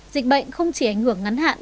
dịch bệnh không chỉ ảnh hưởng ngắn hạn